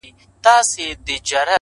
یوه کیسه نه لرم، ګراني د هیچا زوی نه یم،